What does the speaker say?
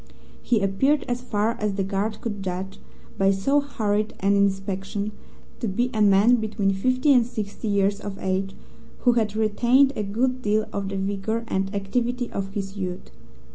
He appeared, as far as the guard could judge by so hurried an inspection, to be a man between fifty and sixty years of age, who had retained a good deal of the vigour and activity of his youth.